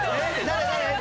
誰？